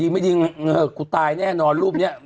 ไม่ดีกูตายแน่นอนรูปนี้